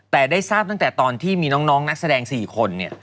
แต่ได้ทราบตั้งแต่ตอนที่มีน้องนักแสดง๔คน